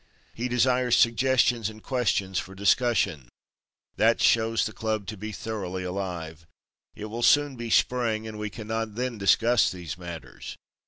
He desires suggestions and questions for discussion. That shows the club to be thoroughly alive. It will soon be Spring, and we cannot then discuss these matters.